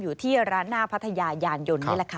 อยู่ที่ร้านหน้าพัทยายานยนต์นี่แหละค่ะ